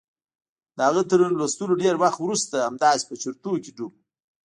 د هغه تر لوستلو ډېر وخت وروسته همداسې په چورتونو کې ډوب و.